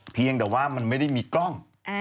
เพียงแต่ว่ามันไม่ได้มีกล้อง